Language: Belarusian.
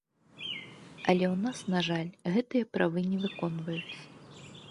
Але ў нас, на жаль, гэтыя правы не выконваюцца.